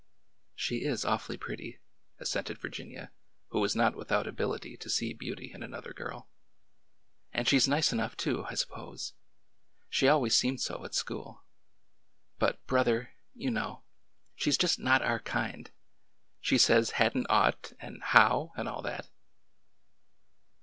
She is awfully pretty," assented Virginia, who was not without ability to see beauty in another girl, —'' and she 's nice enough, too, I suppose. She always seemed so at school. But, brother, — you know. She 's just not our kind. She says ' had n't ought ' and ^ how ?* and all that."